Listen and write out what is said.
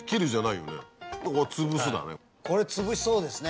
これつぶしそうですね。